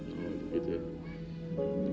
oh begitu ya